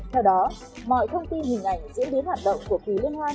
theo đó mọi thông tin hình ảnh diễn biến hoạt động của kỳ liên hoan